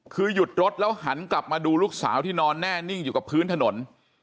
คือหยุดรถแล้วหันกลับมาดูลูกสาวที่นอนแน่นิ่งอยู่กับพื้นถนน